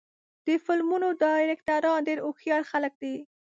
د فلمونو ډایرکټران ډېر هوښیار خلک دي.